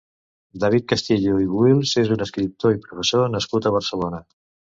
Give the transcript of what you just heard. David Castillo i Buïls és un escriptor i professor nascut a Barcelona.